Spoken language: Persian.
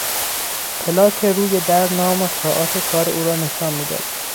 پلاک روی در نام و ساعات کار او را نشان میداد.